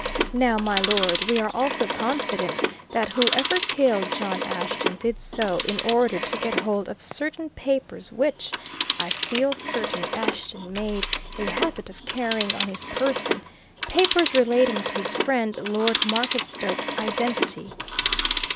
Now, my lord, we are also confident that whoever killed John Ashton did so in order to get hold of certain papers which, I feel certain, Ashton made a habit of carrying on his person papers relating to his friend Lord Marketstoke's identity."